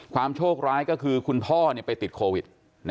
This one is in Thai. โชคร้ายก็คือคุณพ่อไปติดโควิด